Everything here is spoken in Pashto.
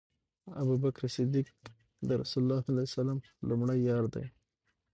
ابوبکر صديق د رسول الله صلی الله عليه وسلم لومړی یار دی